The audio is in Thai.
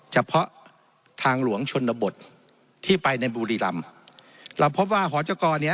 เฉพาะทางหลวงชนบทที่ไปในบุรีรำเราพบว่าหอจกรเนี้ย